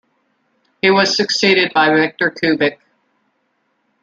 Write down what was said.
He was succeeded by Victor Kubik.